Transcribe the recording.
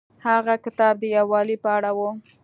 هغه کتاب د یووالي په اړه و.